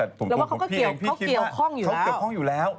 แล้วว่าเขาก็เกี่ยวข้องอยู่แล้ว